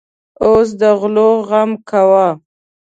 اوس د غلو غم کوه.